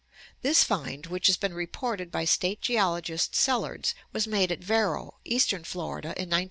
This find, which has been reported by State Geologist Sellards, was made at Vero, eastern Florida, in 1913.